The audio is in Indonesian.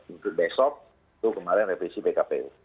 untuk besok itu kemarin revisi pkpu